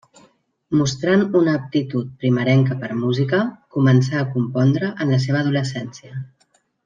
Mostrant una aptitud primerenca per música, començà a compondre en la seva adolescència.